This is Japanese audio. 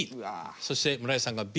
そして村井さんが「Ｂ」。